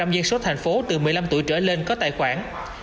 sáu mươi năm bảy mươi dân số thành phố từ một mươi năm tuổi trở lên có tài khoản